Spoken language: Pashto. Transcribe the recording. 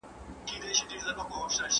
¬ خپل عمل، د لاري مل دئ.